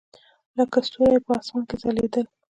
لکه ستوري په اسمان کښې ځلېدل.